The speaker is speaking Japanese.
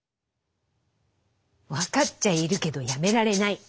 分かっちゃいるけどやめられない。